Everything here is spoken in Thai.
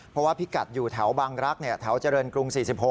เพราะว่าพิกัดอยู่แถวบางรักษ์แถวเจริญกรุง๔๖